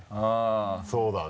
そうだね